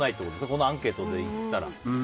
このアンケートでいったら。